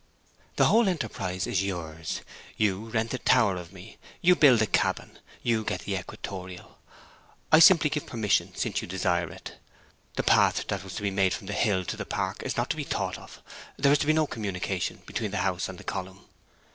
The whole enterprise is yours: you rent the tower of me: you build the cabin: you get the equatorial. I simply give permission, since you desire it. The path that was to be made from the hill to the park is not to be thought of. There is to be no communication between the house and the column.